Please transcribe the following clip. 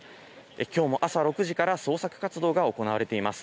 きょうも朝６時から捜索活動が行われています。